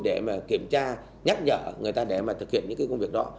để kiểm tra nhắc nhở người ta để thực hiện những công việc đó